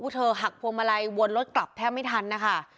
เธอหักพวงมาลัยวนรถกลับแทบไม่ทันนะคะ